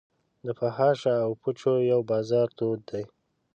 د فحاشا او پوچو یو بازار تود دی.